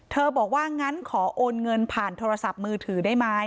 บอกว่างั้นขอโอนเงินผ่านโทรศัพท์มือถือได้ไหม